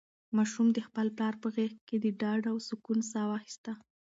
ماشوم د خپل پلار په غېږ کې د ډاډ او سکون ساه واخیسته.